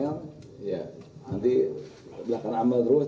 nanti belakang amel terus